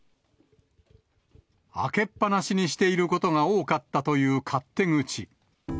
開けっ放しにしていることが多かったという勝手口。